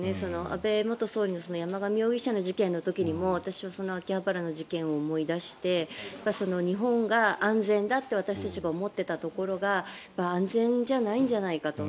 安倍元総理の山上容疑者の事件の時にも私は秋葉原の事件を思い出して日本が安全だって私たちが思っていたところが安全じゃないんじゃないかと。